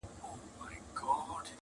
شاهدان كه د چا ډېر وه د ظلمونو!!